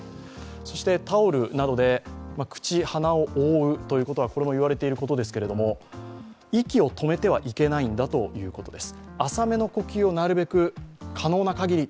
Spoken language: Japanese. タオルなどで口、鼻を覆うことは言われていることですけれども、息を止めてはいけないんだということです。